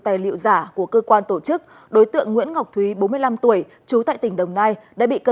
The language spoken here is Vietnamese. tài liệu giả của cơ quan tổ chức đối tượng nguyễn ngọc thúy bốn mươi năm tuổi trú tại tỉnh đồng nai đã bị cơ